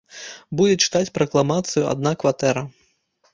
Будзе чытаць пракламацыю адна кватэра.